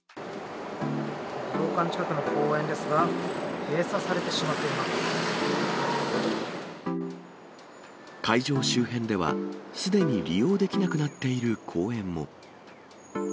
武道館近くの公園ですが、会場周辺では、すでに利用できなくなっている公園も。